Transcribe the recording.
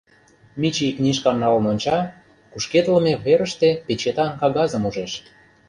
Мичий книжкам налын онча, кушкедлыме верыште печетан кагазым ужеш.